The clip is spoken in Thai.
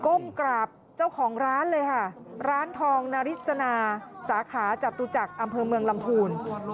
้มกราบเจ้าของร้านเลยค่ะร้านทองนาริสนาสาขาจตุจักรอำเภอเมืองลำพูน